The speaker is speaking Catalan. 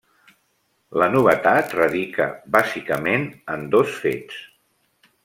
La novetat radica, bàsicament, en dos fets.